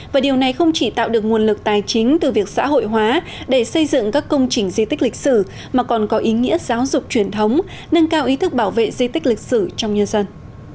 và điều này không chỉ tạo được nguồn lực tài chính từ việc xã hội hóa để xây dựng các công trình di tích lịch sử mà còn có ý nghĩa giáo dục truyền thống nâng cao ý thức bảo vệ di tích lịch sử trong nhân dân